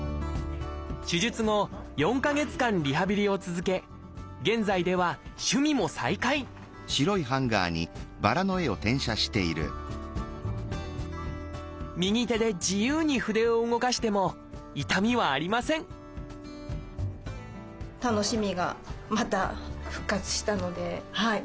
手術後４か月間リハビリを続け現在では趣味も再開右手で自由に筆を動かしても痛みはありませんうん母指ＣＭ。